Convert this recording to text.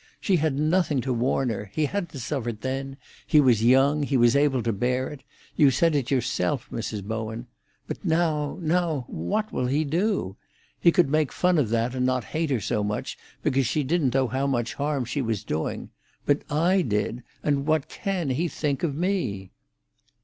She had nothing to warn her—he hadn't suffered then; he was young; he was able to bear it—you said it yourself, Mrs. Bowen. But now—now, what will he do? He could make fun of that, and not hate her so much, because she didn't know how much harm she was doing. But I did; and what can he think of me?"